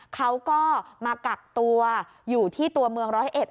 เขาก็มากักตัวอยู่ที่ตัวเมืองร้อยเอ็ด